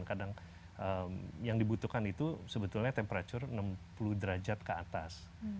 kadang yang dibutuhkan itu sebetulnya temperature enam puluh derajat ke atas